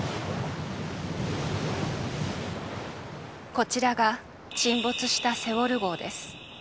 こちらが沈没したセウォル号です。